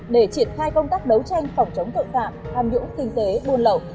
để triển khai công tác đấu tranh phòng chống tội phạm hàm dũng kinh tế buôn lậu